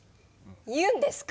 言うんですか？